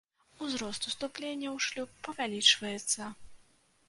Узрост уступлення ў шлюб павялічваецца.